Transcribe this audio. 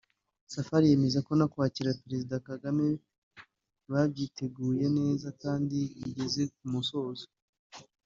Safari yemeza ko no kwakira Perezida Kagame babyiteguye neza kandi bigeze ku musozo